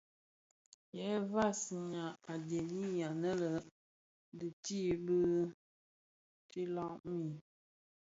Yë vansina a dhemi annë tii dhi bitilag mii,